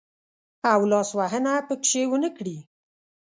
او لاس وهنه پکښې ونه کړي.